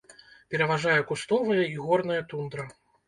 Пераважае кустовая і горная тундра.